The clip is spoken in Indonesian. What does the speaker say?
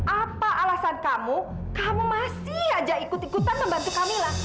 apa alasan kamu kamu masih aja ikut ikutan membantu kami lah